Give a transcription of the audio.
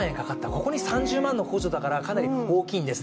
ここに３０万円の補助だからかなり大きいんです。